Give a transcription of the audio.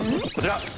こちら！